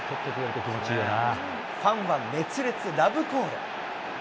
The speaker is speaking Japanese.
ファンは熱烈ラブコール。